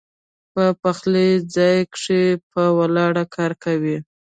پۀ پخلي ځائے کښې پۀ ولاړه کار کوي